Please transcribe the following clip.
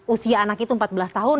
usia anak itu empat belas tahun